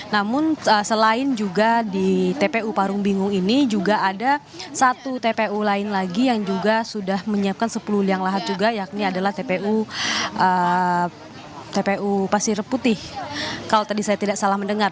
namun selain juga di tpu parung bingung ini juga ada satu tpu lain lagi yang juga sudah menyiapkan sepuluh liang lahat juga yakni adalah tpu tpu pasir putih kalau tadi saya tidak salah mendengar